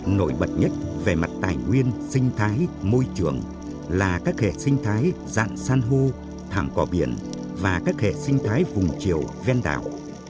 nổi bật nhất về mặt tài nguyên sinh thái môi trường là các hệ sinh thái dạng san hô thẳng cỏ biển và các hệ sinh thái vùng chiều ven đảo